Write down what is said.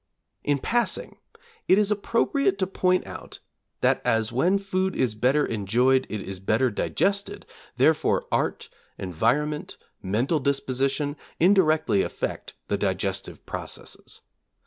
In passing, it is appropriate to point out that as when food is better enjoyed it is better digested, therefore art, environment, mental disposition, indirectly affect the digestive processes.